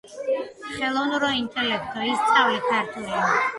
ხელოვნურო ინტელექტო, ისწავლე ქართული.